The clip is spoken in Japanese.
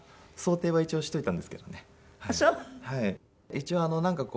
一応なんかこう。